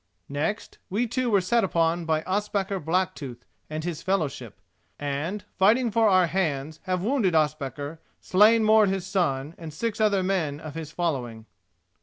Next, we two were set upon by Ospakar Blacktooth and his fellowship, and, fighting for our hands, have wounded Ospakar, slain Mord his son, and six other men of his following."